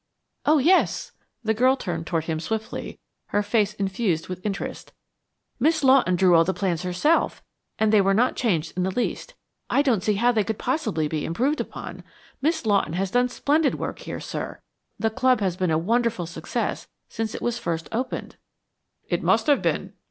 "Oh, yes!" The girl turned toward him swiftly, her face suffused with interest. "Miss Lawton drew all the plans herself, and they were not changed in the least. I don't see how they could possibly be improved upon. Miss Lawton has done splendid work here, sir; the club has been a wonderful success since it was first opened." "It must have been."